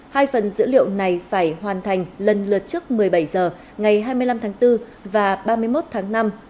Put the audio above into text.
hai phần dữ liệu này phải hoàn thành lần lượt trước một mươi bảy h ngày hai mươi năm tháng bốn và ba mươi một tháng năm